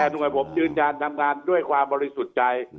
แต่หน่วยผมยืนยันทำงานด้วยความบริสุทธิ์ใจ